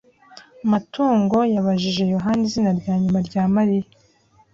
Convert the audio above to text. Matungo yabajije Yohana izina rya nyuma rya Mariya.